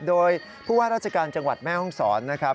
โดยผู้ว่าราชการจังหวัดแม่ห้องศรนะครับ